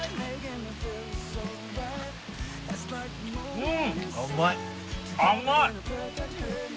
うん。